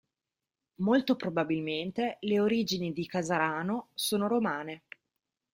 Molto probabilmente le origini di Casarano sono romane.